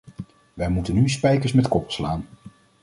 Wij moeten nu spijkers met koppen slaan!